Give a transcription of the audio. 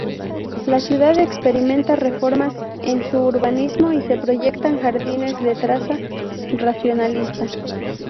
La ciudad experimenta reformas en su urbanismo y se proyectan jardines de traza racionalista.